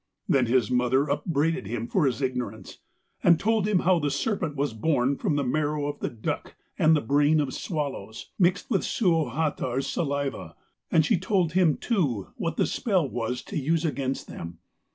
Then his mother upbraided him for his ignorance, and told him how the serpent was born from the marrow of the duck and the brain of swallows, mixed with Suojatar's saliva, and she told him too what the spell was to use against them.